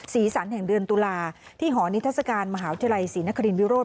สีสันแห่งเดือนตุลาที่หอนิทัศกาลมหาวิทยาลัยศรีนครินวิโรธ